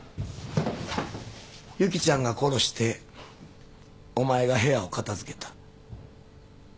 由紀ちゃんが殺してお前が部屋を片づけた。